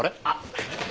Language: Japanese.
あっ。